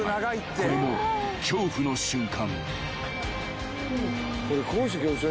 ［これも恐怖の瞬間］